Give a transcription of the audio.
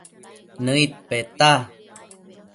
Nëid peta